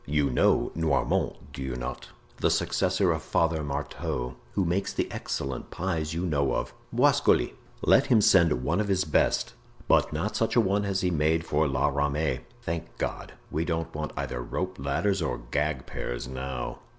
You know Noirmont, do you not? The successor of Father Marteau who makes the excellent pies you know of. Boisgoli, let him send one of his best, but not such a one as he made for La Ramee. Thank God! we don't want either rope ladders or gag pears now."